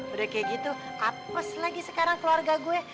udah kayak gitu apes lagi sekarang keluarga gue